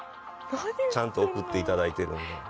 ちゃんと送っていただいてるんで。